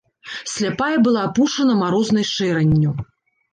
Сляпая была апушана марознай шэранню.